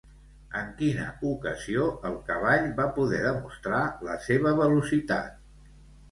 En quina ocasió el cavall va poder demostrar la seva velocitat?